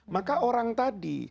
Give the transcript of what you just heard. maka orang tadi